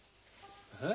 えっ？